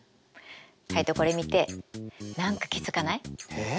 カイトこれ見て何か気付かない？えっ？